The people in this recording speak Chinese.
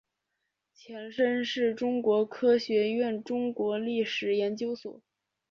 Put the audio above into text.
前身是中国科学院中国历史研究所。